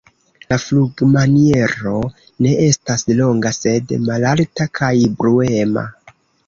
La flugmaniero ne estas longa, sed malalta kaj bruema.